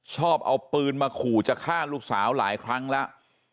ชอบเอาปืนมาขู่จะฆ่าลูกสาวหลายครั้งแล้ว